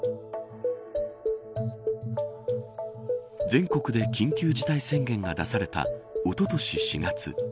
全国で緊急事態宣言が出されたおととし４月。